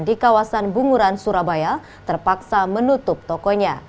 di kawasan bunguran surabaya terpaksa menutup tokonya